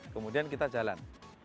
kemudian kita jalan